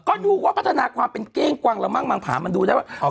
ก็ดูว่าพัฒนาความเป็นเก้งกวางละมั่งมังผามันดูได้ว่า